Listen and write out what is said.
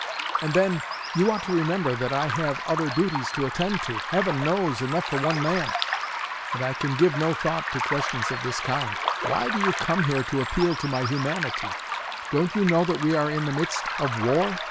And then, you ought to remember that I have other duties to attend to heaven knows, enough for one man! and I can give no thought to questions of this kind. Why do you come here to appeal to my humanity? Don't you know that we are in the midst of war?